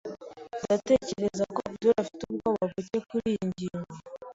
Ndatekereza ko Abdul afite ubwoba buke kuriyi ngingo.